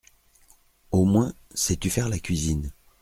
Au moins, sais-tu faire la cuisine ?